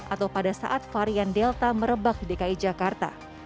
atau pada saat varian delta merebak di dki jakarta